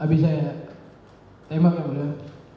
habis saya tembak ya boleh